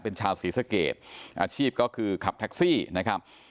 เป็นชาวศรีสะเกดอาชีพก็คือขับแท็กซี่นะครับ